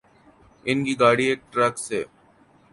ان کی گاڑی ایک ٹرک سے